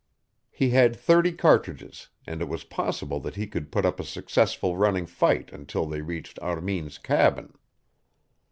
He had thirty cartridges, and it was possible that he could put up a successful running fight until they reached Armin's cabin.